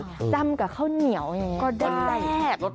จำกับข้าวเหนียวอย่างนี้ก็ได้